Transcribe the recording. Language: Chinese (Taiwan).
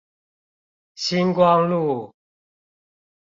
新光路